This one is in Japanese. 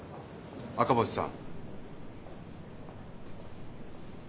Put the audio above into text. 赤星さん。